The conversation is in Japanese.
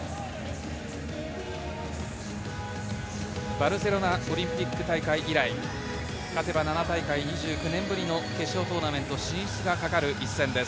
バルセロナオリンピック大会以来、勝てば７大会２９年ぶりの決勝トーナメント進出がかかる一戦です。